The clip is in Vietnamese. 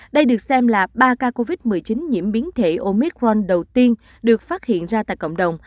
đây được xem là ba ca covid một mươi chín nhiễm biến thể omicron đầu tiên được phát hiện ra tại cộng đồng